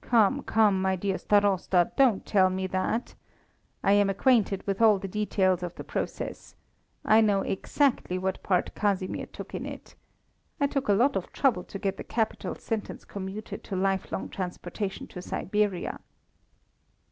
"Come, come, my dear Starosta, don't tell me that. I am acquainted with all the details of the process. I know exactly what part Casimir took in it. I took a lot of trouble to get the capital sentence commuted to lifelong transportation to Siberia."